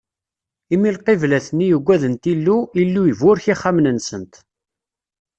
Imi lqiblat-nni ugadent Illu, Illu iburek ixxamen-nsent.